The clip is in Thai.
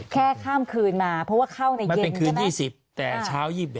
แค่ข้ามคืนมาเพราะว่าเข้าในเย็นใช่ไหม